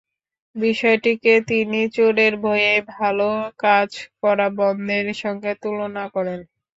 বিষয়টিকে তিনি চোরের ভয়ে ভালো কাজ করা বন্ধের সঙ্গে তুলনা করেন।